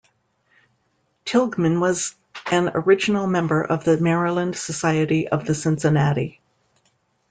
Tilghman was an original member of the Maryland Society of the Cincinnati.